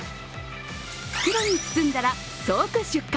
袋に包んだら即出荷。